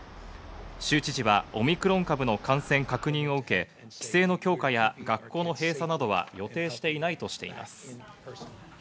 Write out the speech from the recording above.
州知事はオミクロン株の感染確認を受け、規制の強化や学校の閉鎖などは予定していないとしています。